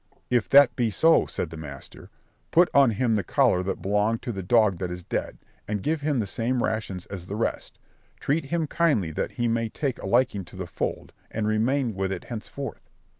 "If that be so," said the master, "put on him the collar that belonged to the dog that is dead, and give him the same rations as the rest, treat him kindly that he may take a liking to the fold, and remain with it henceforth."